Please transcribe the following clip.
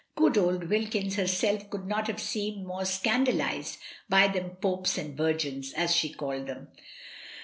Good old Wilkins herself could not have seemed more scan dalised by "them popes and virgins," as she called them.